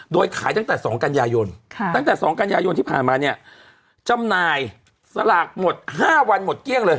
โดยขายตั้งแต่๒กันยายนตั้งแต่๒กันยายนที่ผ่านมาเนี่ยจำหน่ายสลากหมด๕วันหมดเกลี้ยงเลย